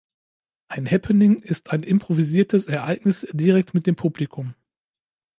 Ein Happening ist ein improvisiertes Ereignis direkt mit dem Publikum.